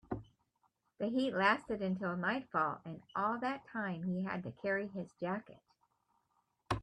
The heat lasted until nightfall, and all that time he had to carry his jacket.